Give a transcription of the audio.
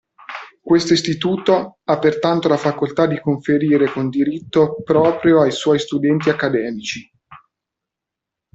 Questo Istituto ha pertanto la facoltà di conferire con diritto proprio ai suoi studenti accademici.